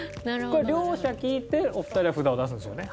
これ両者聴いてお二人は札を出すんですよね？